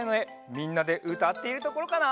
みんなでうたっているところかな？